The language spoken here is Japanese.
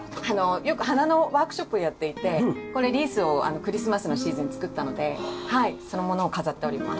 よく花のワークショップをやっていてこれリースをクリスマスのシーズンに作ったのでそのものを飾っております。